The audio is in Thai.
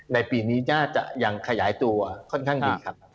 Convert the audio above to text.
ในปีนี้น่าจะยังขยายตัวค่อนข้างดีครับ